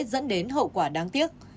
dẫn đến hậu quả đáng tiếc